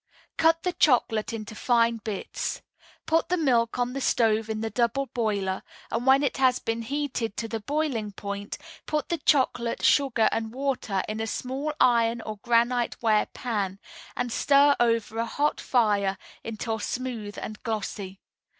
Cut the chocolate in fine bits. Put the milk on the stove in the double boiler, and when it has been heated to the boiling point, put the chocolate, sugar and water in a small iron or granite ware pan, and stir over a hot fire until smooth and glossy.